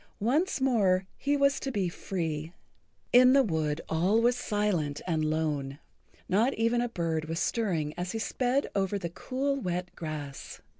Once more he was to be free. In the wood all was silent and lone. Not even a bird was stirring as he sped over the cool, wet grass.